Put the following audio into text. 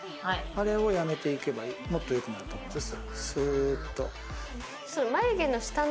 あれをやめていけば、もっとよくなると思います。